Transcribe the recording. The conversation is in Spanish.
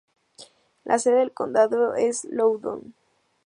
La sede del condado es Loudon.